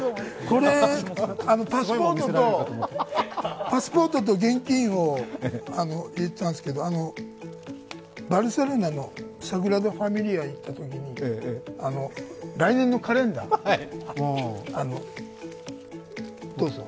これ、パスポートと現金を入れてますけど、バルセロナのサグラダ・ファミリアに行ったときに来年のカレンダー、どうぞ。